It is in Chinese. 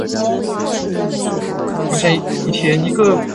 朴正熙是一位颇具争议性的韩国总统。